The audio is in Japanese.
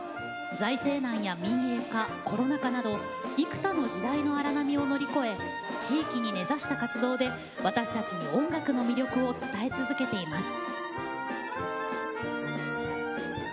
財政難や民営化、コロナ禍など幾多の時代の荒波を乗り越え地域に根ざした活動で私たちに音楽の魅力を伝え続けています。